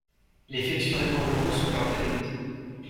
Les foetus de Kangourou sont un peu dégoûtant.